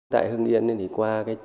tại hương yên thì qua